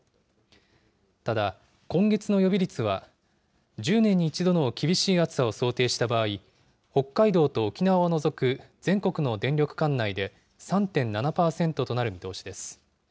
ただ、今月の予備率は１０年に１度の厳しい暑さを想定した場合、北海道と沖縄を除く全国の電力管内で３．７％となる見通しです。